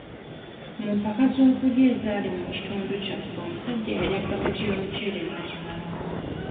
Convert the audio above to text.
Mu mpaka z'okulya ezaali mu kitundu kyaffe omusajja yalya baketi y'omuceere n'agimalawo